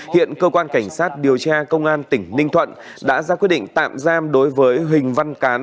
hiện cơ quan cảnh sát điều tra công an tỉnh ninh thuận đã ra quyết định tạm giam đối với huỳnh văn cán